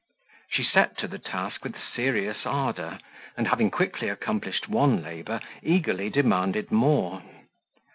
She set to the task with serious ardour, and having quickly accomplished one labour, eagerly demanded more.